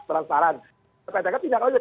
transparan ppatk tindak lanjuti